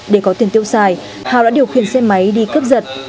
để có tiền tiêu xài hà đã điều khiển xe máy đi cướp giật